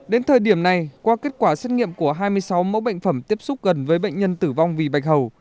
đến thời điểm này qua kết quả xét nghiệm của hai mươi sáu mẫu bệnh phẩm tiếp xúc gần với bệnh nhân tử vong vì bạch hầu